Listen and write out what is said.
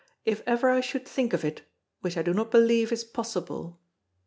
if ever I should think of it (which I do not believe is possible)."